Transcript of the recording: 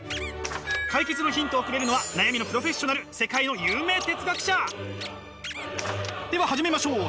解決のヒントをくれるのは悩みのプロフェッショナル世界の有名哲学者！では始めましょう！